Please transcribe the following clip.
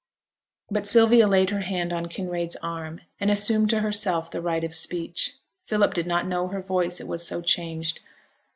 But Sylvia laid her hand on Kinraid's arm, and assumed to herself the right of speech. Philip did not know her voice, it was so changed.